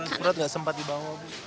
surat surat gak sempat dibawa